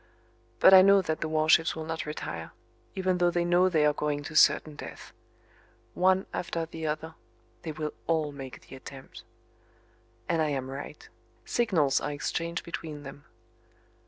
But I know that the warships will not retire, even though they know they are going to certain death. One after the other they will all make the attempt. And I am right. Signals are exchanged between them.